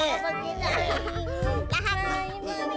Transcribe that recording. rahat kemingin kemingin